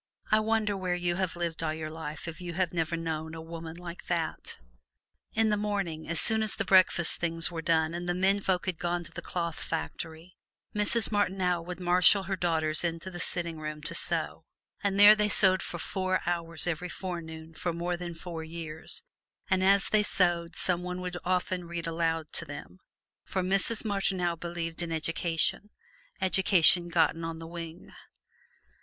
I wonder where you have lived all your life if you have never known a woman like that? In the morning, as soon as the breakfast things were done and the men folks had gone to the cloth factory, Mrs. Martineau would marshal her daughters in the sitting room to sew. And there they sewed for four hours every forenoon for more than four years; and as they sewed some one would often read aloud to them, for Mrs. Martineau believed in education education gotten on the wing.